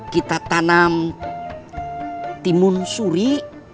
kita tanam timun suri